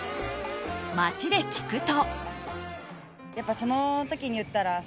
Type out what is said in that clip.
街で聞くと。